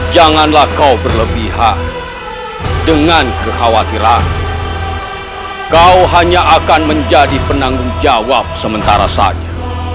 janganlah kau berlebihan dengan kekhawatiran kau hanya akan menjadi penanggung jawab sementara saja